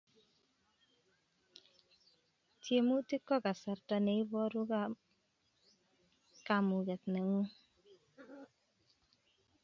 Tiemutik ko kasarta ne iporu kamuket nengung